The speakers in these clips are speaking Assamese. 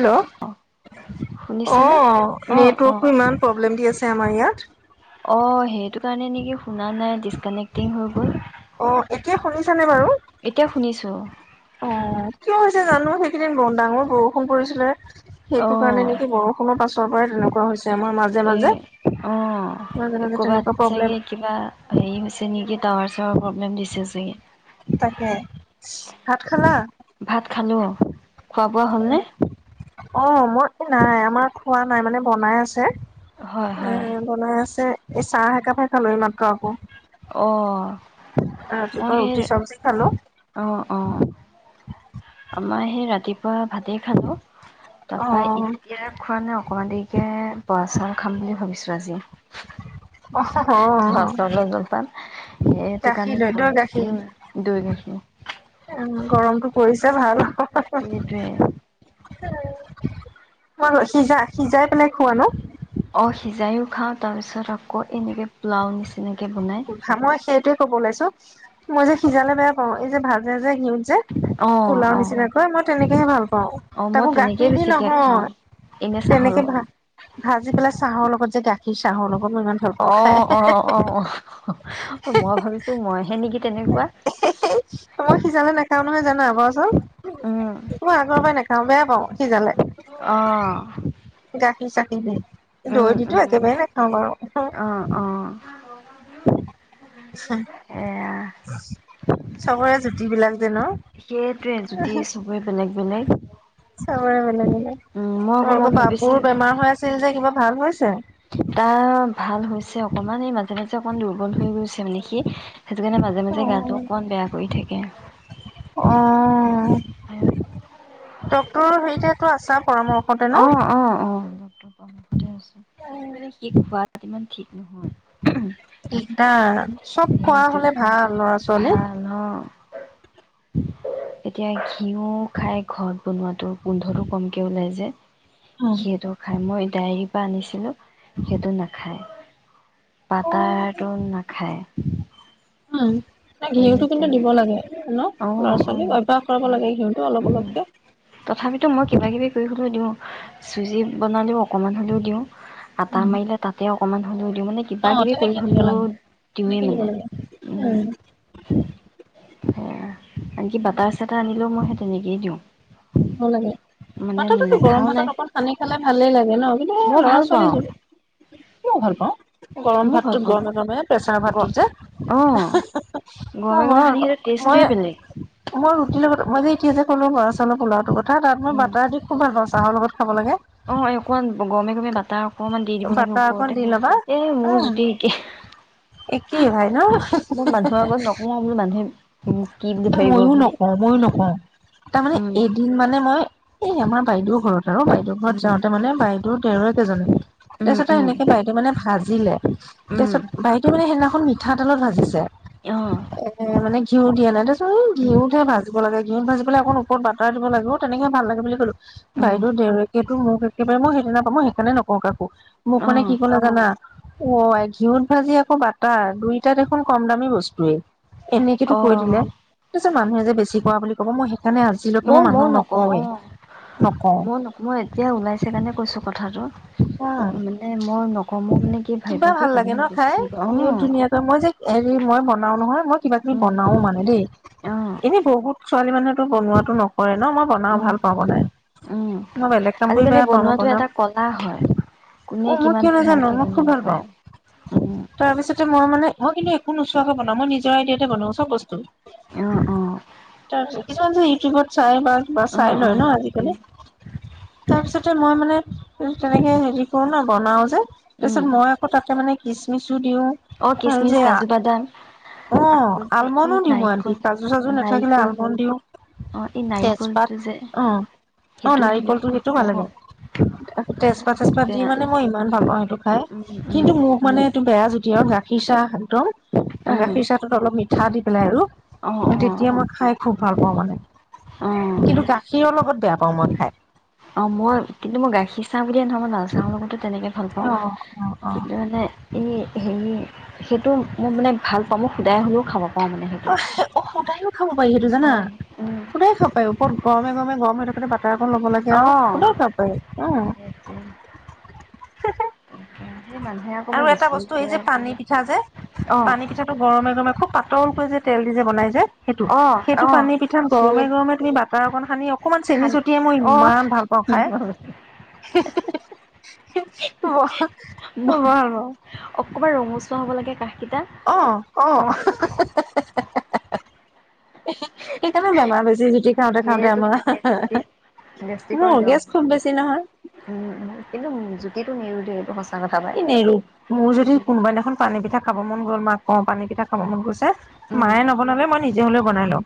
হেল্ল', শুনিছেনে? অ', অ', অ', নেটৱৰ্কটো ইমান প্ৰব্লেম দি আছে আমাৰ অ', ইয়াত। সেইটো কাৰণে নেকি শুনা নাই দি ে্টিং হৈ গল অ এতিয়া শুনিছানে বাৰু এতিয়া শুনিছো অ কিয় হৈছে জানো সেইকেইদিন ডাঙৰ বৰষুণ পৰিছিলে সেইটো কাৰণে নেকি বৰষুণত পাছৰ পৰাই তেনেকুৱা হৈছে আমাৰ মাজে এ মাজে অ মাজে মাজে কৰ'বাত তেনেকুৱা প্ৰব্লেম চাগে কিবা হেৰি হৈছে নেকি ত প্ৰব্লেম দিছে তাকে ভাত চাগে, খালা ভাত খালো। খোৱা বোৱা হ'লনে অ', মই এ নাই আমাৰ খোৱা নাই, মানে বনাই আছে। হয়, এ হয়, বনাই আছে এই চাহ একাপাৰ ালৈ মাত্ৰ আকৌ অ', মই ৰাতিপুৱা সেই, ৰুটি চব্জি খালো অ', অ', আমাৰ সেই ৰাতি কা ভাতেই খালোঁ অ তাৰপা এতিয়া খোৱা নাই অকমান দেৰি [unintelligible] বোৱা চাউল খাম বুলি ভাবিছোঁ আজি। অ অ বৰা চাউলৰ জলপান সেইটো কাৰণে গাখীৰ লৈ তই গাখীৰ উম দৈ গাখীৰ গৰমটো পৰিছে ভাল হ'ব সেইটোৱে সিজা-সিজাই পেলাই খোৱা ন? অ', সিজাইও খাও তাৰ পিছত আকৌ এনেকে পোলাও নিচি া মই সেইটোোৱে কব ওলাইছো মই যে সিজালে বেয়া অ', এই যে ভাজে যে ঘিউত যে, অ পোলাও অ নিচিনাকৈ, মই তেনেকেহে ভাল পাওঁ, অ মই তাকো তেনেকেই গাখীৰ দি বেছিকে খাওঁ নহয়, এনে চাহৰ তেনেকে ভ লগত ভাজি পেলাই চাহৰ লগত চাকা [unintelligible] চাহৰ লগত মই ইমান ভাল পাওঁ অ খাই অ অ অ মই ভাবিছো মইহে নেকি তেনেকুৱা মই সিজালে নাখাও নহয় জানা বৰাচাউল। উম মই আগৰ পৰাই নাখাও বেয়া পাওঁ সিজালে। অ গাখ চাকি দি, উম দৈ দিতো উম একেবাৰে নাখাওঁ বাৰু। অ অ [unintelligible] [unintelligible] [unintelligible] এয়া চবৰে জুতি বিলাক যে ন সেইটোৱে যদি সবেই বেলেগ বেলেগ চবৰে বেলেগ বেলেগ উম মই আকৌ মই তোমালোকৰ বাবুৰ ভাবিছিলো বেমাৰ হৈ আছিল যে কিবা ভাল হৈছে তাৰ ভাল হৈছে অকমান, এই মাজে মাজে অকমান দুৰ্বল হৈ গৈছে মানে সি। সেইটো কাৰণে মাজে মাজে গাটো অ অকন বেয়া কৰি থাকে। অ [unintelligible] অঁ অঁ অঁ [inaudible] মানে, সি খোৱাত তাত ইমান ঠিক নহয় দিগদাৰ চব খোৱা সেইটো হলে ভাল লৰা ছোৱালী ভাল ন এতিয়া ঘিউ খাই। ঘৰত বনোৱাটো গোন্ধটো কমকে ওলাই যে সেইটো খাই মই ডায়েৰীৰ পা আনিছিলো সেইটো নাখায় বাটাৰটো নাখায় উম এই ঘিউটো কিন্তু তেনে দিব লাগে ন। অ অ ল'ৰা-ছোৱালীক অভ্যাস কৰাব লাগে। সিহঁতিও উম অলপ-অলপকে তথাপিতো মই কিবা কিবি কৰি হ'লেও দিওঁ চুজি বনালেও অকমান হ'লেও দিওঁ আটা মাৰিলে তাতে অক অকমান হ'লেও দি মানে অ কিবা কিবি কৰি তেনেকে দিব গলেও লাগে দিওঁৱে তেনেকে দিব মানে লাগে উম আনকি বাটাৰ-চাটাৰ আনিলেও মই সেই তেনেকেই দিওঁ। অ, লাগে। মানে বাটাৰটোতো গৰম নেখাও ভাতৰ নাই লগত সানি খালে ভালেই লাগে ন? মই ল'ৰা ভাল ছোৱালী পাওঁ ভাল পাওঁ গৰম ময়ো ভাল ভাতটোত পাওঁ গৰমে গৰমে প্ৰেছাৰ গ ভাতটোত যে অঁ গৰমে গৰমে মই সানি ঘ সেইটো মই টেষ্টটোৱে বেলেগ মই ৰুটিৰ লগত [unintelligible] মোৰ ল'ৰাটো ক'ত কথা তাত মই বাটাৰ দি খুব ভাল পাওঁ চাহৰ লগত খাব লাগে অ এ, অকণমান গৰমে-গৰমে বাটাৰ অকণমান দি দিব লাগে বাটাৰ অকণ ওপৰতে। দি ল'বা এ, হা মোৰ জুতি একে। একেই ভাই ন মই মানুহৰ আগত নকওঁ, বোলো মানুহে [inaudible] এ, মইয়ো বুলি নকওঁ। মইয়ো নকওঁ। তাৰমানে, উম এদিন, মানে, মই এই আমাৰ বাইদেউ ঘৰত আৰু বাইদেউ ঘৰত উম। যাওঁতে, মানে, বাইদেউৰ দেৱৰেক এজনে। উম, তাৰপিছতে উম, এনেকে বাইদেউ, মানে, ভাজিলে। উম, তাৰপিছত বাইদেউ, মানে, সেইদিনাখন মিঠাতেলত ভাজিছে। অ', এ, মানে ঘিও দিয়া নাই ত এই উম, ঘিঁউতহে ভাজিব লাগে ঘিঁউত ভাজিবেলে অকণ ওপৰত বাটাৰ দিব লাগিব। তেনেকে ভাল লাগে বুলি ক'লো। উম, বাইদেউ দেউৰেকে মোক একেবাৰে মই সেইদিনা সেইকাৰণে নকওঁ কাকো। মোৰখনে অ', কি ক'লে জানা? অ', আই ঘিউত ভাজি আকৌ বাটাৰ দুইটা দেখোন কম দামী বস্তুৱে। এনেকেটো অ'। কৈ দিলে। মানুহে যে বেছি কৰা বুলি ক'ব মই সেই সেইকাৰণে আজিলৈকে ময়ো মই ময়ো মানুহক নকওঁ নকওঁৱেই অ', নকওঁ ময়ো নকওঁ মই এতিয়া ওলাইছে কাৰণে কৈছো কথাটো। অ', মানে মই নকওঁ মই মানে কি ভাবিব কিবা কি ভাল লাগে মানে ন খাই। বেছি ইমান অ', ধুনীয়াকৈ মই যে হেৰি মই বনাও নহয়। কিবা কিবি উম, বনাও মানে দেই। অ', এনে বহুত ছোৱালী মানুহেতো বনোৱাটো নকৰে ন' মই বনাও উম, ভাল পাও বনাই উম। মই বেলেগ কাম কৰি আজিকালি বেয়া পাওঁ মই বনোৱাটো বনাও এটা কলা হয়, কোনে অ', মই কিমান কিয় নাজানো ভালকে মই খুব বনাব ভাল পাৰে। পাওঁ উম, তাৰপিছতে মই মানে মই কিন্তু একো নুচো বনাওঁ মই নিজৰ আইডিয়াতে বনাও চব বস্তু। অ', অ'। তাৰপিছত কিছুমান ইউটিউবত চাই বা বা চাই অ', লয় অ', ন' উম, আজিকালি তাৰ পিছতে মই মানে তেনেকে হেৰি কৰো ন'। বনাও যে। তাৰ উম। পিছত মই আকৌ তাকে মানে কিচমিচ অ', কিচমিচ কাজু বাদাম অ আকৌ যে ই আলমণ্ডো দিওঁ মই নাইক আনকি কাজু চাজু নাথাকিলে আলমণ্ড দিওঁ অ', এই তেজপাত নাৰিকলটো যে অ অ', সেইটো দিলো নাৰিকলটো সেইটো অ ভাল লাগে তেজপাত তেজপাত যে দি মানে মই ইমান ভাল পাওঁ সেইটো খাই উম উম কিন্তু মোক মানে এইটো বেয়া জু তিয়া গাখীৰ চাহ খ একদম উম গাখীৰ চাহটোত অলপ মিঠা দি পেলাই আৰু অ অ তেতিয়া মই খাই খুব ভাল পাওঁ মানে অ কিন্তু গাখীৰ অলপ লগত বেয়া পাওঁ মই খাই। অ', মোল কিন্তু মই গাখীৰ চাহ বুলিয়ে নহয় মই লালচাহৰ লগতো তেনেকৈ ভাল অ', পাওঁ অ', অ'। কিন্তু মানে এই হেৰি সেইটো মই মানে ভাল পাওঁ মই শুদায় হ'লেও খাব। পাওঁ মানে সেইটো অ অ সুদায়ও খাব পাৰি সেইটো অ জানা উম সুদায়ে খাব পাৰি ওপৰত গৰমে গৰমে গৰমে কোনে ভাত আকৌ ল'ব লাগে অ আৰু কোতও যাব পায় হ তনেকে আৰু এটা বস্তু এই যে পানী পিঠা যে অ পানী পিঠাটো গৰমে গৰমে খুব পাতল যে তেল দি যে বনাই যায় সেইটো অ সেইটো অ পানীৰ পিঠাত সেই গৰমে গৰমে তুমি বাটাৰ অকণ সানি অকমান চেনি খান চটিয়াই মই অ ইমান ভাল পাওঁ খাই অকণমান ভাল ৰঙচুৱা চ হ' লাগো [unintelligible] অহ অহ হুহ হু সেইকাৰণে বেমাৰ বেছি জুতি খাওঁতে খাওঁতে সেইটো মানে আমাৰ গেষ্টিক ম গেষ্টিকৰ জং গেছখনখুব বেছি নহয় উম কিন্তু জুতিটো নিৰো দেই এইটো সঁচা কথা পাই। এ নেৰো মোৰ যদি কোনোবা দিনাখন পানী পিঠা খাব মন গ'ল মাক ক পানী পিঠ খাব মন গৈছে উম মায়ে নবনালে মই নি হলে বনাই লওঁ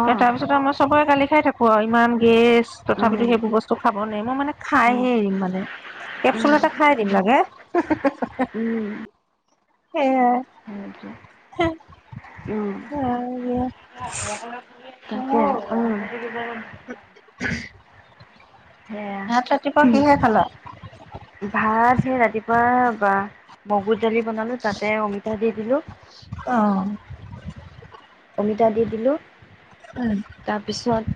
অ পিছত আমাৰ চবৰে কালি খাই থাকো আৰু ইমান গেছ উম তথাপিতো সেইবোৰ বস্তু খাব নে মই মানে উম খাইহে এৰিম মানে কেপচুল উম এটা খাই এৰিম লাগে উম উম উম সেই য়াই তাকে অঁ ভাত ৰাতিপুৱা কিহে খালা ভাত সেই ৰাতিপুৱা মগুৰ দালি বনালো তাতে অমিতা দি দিলো আহ অমিতা দি দিলোঁ তাৰপিছত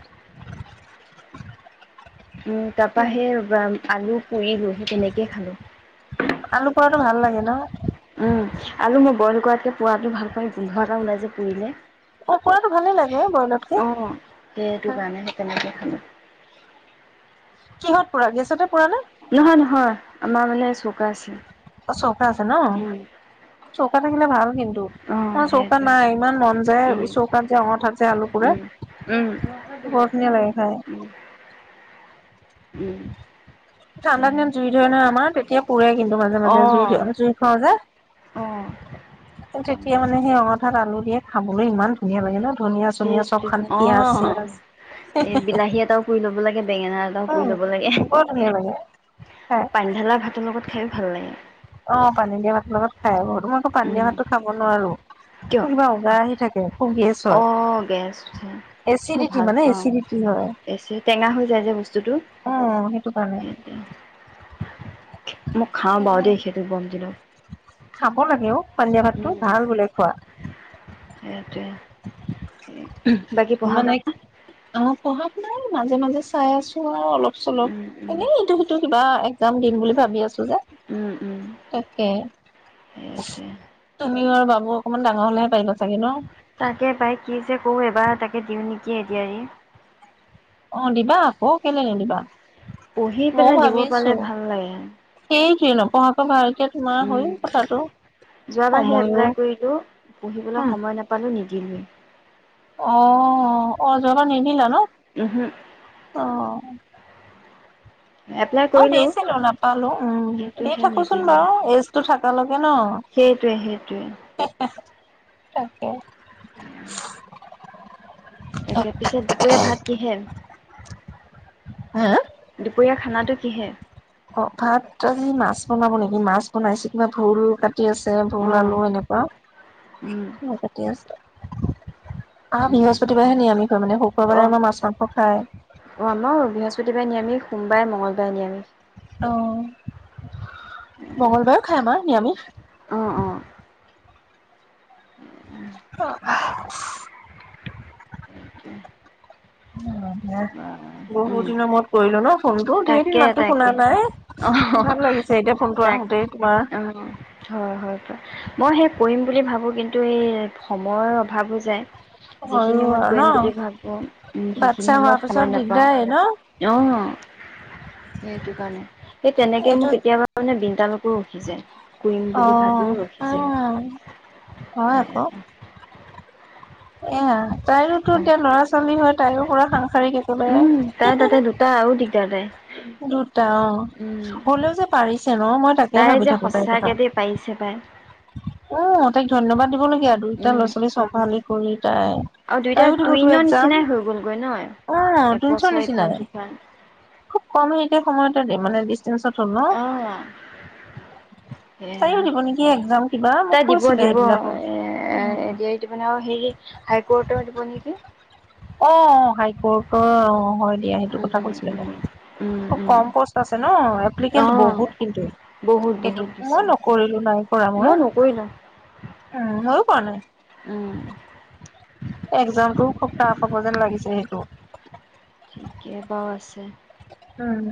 উম তাৰ পৰা সেই আলু পুৰিলো সি তেনেকেইে খালোঁ আলু পোৰাটো ভাল লাগে ন উম আলু মই বইল কৰাতকে পোৱাতটো ভাল প গোন্ধ এটা ওলাই যে পুৰিলে পোৱাটোৱেই ভালে লাগে বইলতকে হয় হ তৃহত পুৰা গ আছে নহয় নহয় আমাৰ মানে চৌকা আছে আছো আছে ন চৌকা থাকিলে ভাল কিন্তু অঁ চৌকাত সেইটোৱে নাই ইমান মন যায় উম চৌকাত যে অঙথাত যে আলু পুৰে উম উম বৰ ধুনীয়া লাগে খাই উম উম ঠাণ্ডা সেয়া দিনত জুই ধৰে নয় আমাৰ তেতিয়া পুৰে কিন্তু মাজে মাজে অঁ আমি জুই পুৰাও যে অঁ কিন্তু তেতিয়া মানে সেই অত তাত আলু দিয়ে খাবলৈ ইমান ধুনীয়া লাগে ন ধনিয়া চনিয়া চব সেইটো সানি পিয়াজ অঁ চিয়াজ এ বিলাহী এটাও পুৰি ল'ব লাগে বেঙেনা কৰিু উম, লব লাগে বৰ ধুনীয়া লাগে খাই। পানী ঢালা ভাতৰ লগত খাই ভাল লাগে অঁ পানী দিয়া ভাত লগত খাই বহুত তোম আকৌ পান দিয় উম ভাতটো খাব নোৱাৰো কিয় কিবা উজা আহি থাকেু অঁ গেছ উঠে মই এচিডিটি ভাল মানে পাওঁ এচিডিটি গে টেঙা হৈ যায় যে বস্তুটো অঁ সেইটো কাৰণে মোক খাওঁ বাৰু দেই সেইহঁ বম দিল খাব লাগে অ' পানিয়ীয়া ভাতটো ভাল বোলে খোৱা সেইটোৱে বাকী পঢ়া খ অঁ পঢ়া শু নাই মাজে মাজে চাই আছো আৰু অলপ চলো উম উম এনেই সটো সিটো কিবা াম দিম বুলি ভাবি আছো যে উম উম তাকে সেইটোৱে সিও আৰু বাবু অকণমান ডাঙৰ হলেহে পাৰিব চাগে ন তাকে পাই কি যে কৰো এইবাৰ তাকে দিওঁ নেকি এডিআৰই অ দিবা আকৌ কেলে নদিবা পঢ়ি পেলাই দিব পালে ভাল লাগে স ন পা ক ভাল উম যোৱাবাৰ সেই সময়ো এপ্লাই কৰিলো পঢ়িবলৈ সময় নাপালো নিদি দি অঁ অঁ যাবা নিদিলা ন উহো অ' এপ্লাই ম কৰিলোঁ দিছিলো নাপালো উম, কিন্তু দি সেই থাকোচোন নিদিলোঁ বাৰু এইজো থাক কাল সেইটোৱে সেইটোৱে তাকে এ তাকে পিছে দুপৰীয়া ভাত কিহে হা দুপৰীয়া খানাটো কিহে অ ভাত আজি মাছ বনাব নেকি মাছ বনাইছে কিবা ভুল কাটি কাট আছে অ বল আলু এনেকুৱা উম কতি আছে আহ, উম বৃহস্পতিবাৰে হে নি আমি ঘ মানে অ শুক্ৰবাৰে আমাৰ মাছ মাংস খায়। সসতিাৰ নিৰামিষ সোমবাৰে মঙলবাৰে নিয়মিষ। আহ মং্গলবাৰেো খাই আমাৰ নিৰামিষ অ', অ'। উম অ'। তকে উম উম, ন ফোনটো ধেৰ দিন তাকে মাতটো শুনা তাকে নাই অ', ভাল লাগিছে এতিয়া ফোনটো তাক আহোতেই তোমাৰ অ', হয়, হয়, মই সেই কৰিম বুলি ভাবো কিন্তু এই সময়ৰ অভাৱো যায় যিখিনি হয়ো সময়ত আৰু ন কৰিম বুলি ভাবো উম, সেইখিনি বাচ্ছা হোৱাৰ সময়ত য় পিছত নাপাওঁ দিগদাৰে ন অ', সেইটো কাৰণে সেই তেনেকে এইটো মোক কেতিয়াবা মানে বিটালকো ৰখি যে কৰিম অ বুলি ভাবিও ৰখিছে মোক উম হয় আকৌ এয়া তায়ো তাই। এয়া ল'ৰা-ছোৱালী হয় তাইৰ কৰা খান উম তাই তাতে দুটা আৰু দিগদ পিকাৰে দুটা অ হ'লেও যে পাৰিছে ন মই তাকে তাই ভাবি যে থাকো তাইৰ কথা সঁচাকে দেই পাৰিছে পাই উ তাইক ধন্যবাদ দিবলগীয়া আৰু দুইটা উম ল'ৰাোৱালী চবালি কলেজ আৰু দুইটা টুইনৰ নিচিনাই হৈ গলগৈ ন অ তুনচৰ এবছৰ ইফাল সিফাল ম এতিয়া সময়ততে মানে ডিচটেঞ্চত হ'ল ন অ তাইও দিব নেকি এক্জাম কিবা মোক তাই দিব কৈছিলে দিব সেইদিনাখন এ এ দ দিব ন হেৰি হাই কৰ্টৰ দিব নেকি অ হাই কৰ্ট অ হয় দিয়া, সেইটো উম, কথা কৈছিলে ব উম, উম, উম, কম পষ্ট আছে ন এপ্লিকেট অ', বহুত কিন্ত বহুত সেইটো বহুত বেছি। মই নকৰিলো নাই কৰা মই উ হৈয়ো পোৱা নাই। উম, এক্জামটোও খুব টাফ হ'ব যেন লাগিছে সেইটো। ঠিকে বাৰু আছে। উম।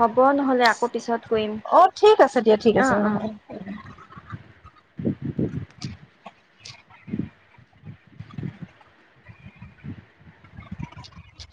হ'ব নহ'লে আকৌ পিছত কৰিম অ ঠিক আছে দিয়া ঠিক আছে অহ, অ অহ। [inaudible] [inaudible]